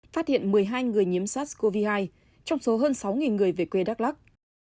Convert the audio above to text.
phát hiện một mươi hai người nhiễm sars cov hai trong số hơn sáu người về quê đắk lắc